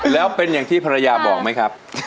แล้วเป็นอย่างที่ที่พลังที่จะบอกไม่กับ